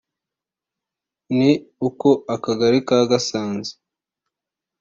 ni uko Akagari ka Gasanze